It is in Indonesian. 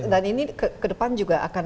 dan ini kedepan juga akan